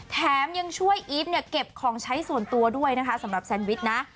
แถมยังช่วยอีฟเนี่ยเก็บของใช้ส่วนตัวด้วยนะคะสำหรับแซนวิชนะ